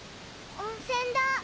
温泉だ！